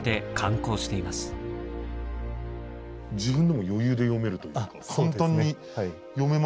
自分でも余裕で読めるというかちゃんとね